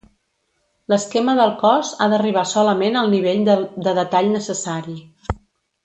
L'esquema del cos ha d'arribar solament al nivell de detall necessari.